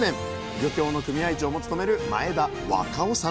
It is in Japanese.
漁協の組合長も務める若男さん。